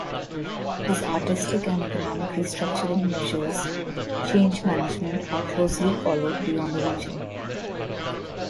His artistic and economic restructuring measures (change management) are closely followed beyond the region.